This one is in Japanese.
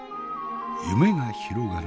夢が広がる